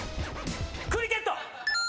クリケット。